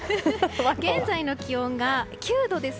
現在の気温が９度です。